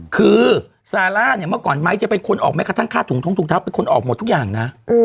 คือซาร่าเนี่ยเมื่อก่อนไม้จะเป็นคนออกแม้กระทั่งค่าถุงท้องถุงเท้าเป็นคนออกหมดทุกอย่างนะ